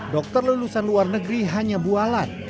dokter lulusan luar negeri hanya bualan